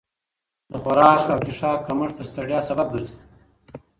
د خوراک او څښاک کمښت د ستړیا سبب ګرځي.